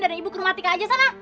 dan ibu ke rumah tika aja sana